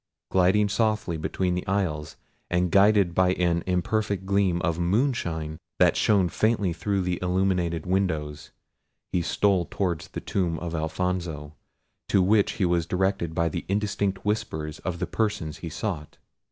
Gliding softly between the aisles, and guided by an imperfect gleam of moonshine that shone faintly through the illuminated windows, he stole towards the tomb of Alfonso, to which he was directed by indistinct whispers of the persons he sought.